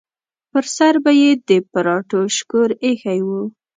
پر سر به یې د پراټو شکور ایښی و.